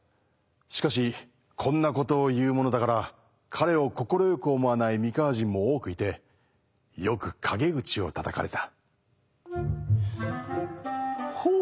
しかしこんなことを言うものだから彼を快く思わない三河人も多くいてよく陰口をたたかれた。